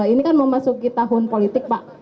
ini kan memasuki tahun politik pak